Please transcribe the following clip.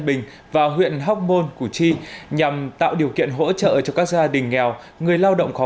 bình và huyện hóc môn củ chi nhằm tạo điều kiện hỗ trợ cho các gia đình nghèo người lao động khó